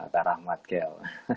tarah amat kel